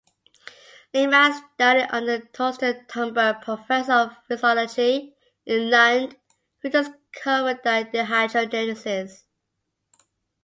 Lehmann studied under Torsten Thunberg, professor of physiology in Lund, who discovered the dehydrogenases.